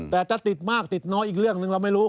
แต่จะติดมากติดน้อยอีกเรื่องหนึ่งเราไม่รู้